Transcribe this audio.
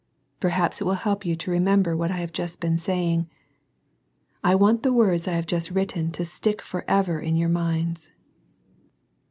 Perhaps it will help you to remember what I have just been saying. I want the words I have just written to stick for ever in your minds.